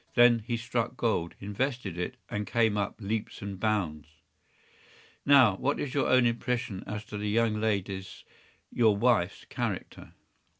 Then he struck gold, invested it, and came up by leaps and bounds.” “Now, what is your own impression as to the young lady‚Äôs—your wife’s character?